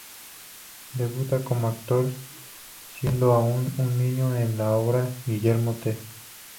Debuta como actor siendo aún un niño, en la obra "Guillermo Tell".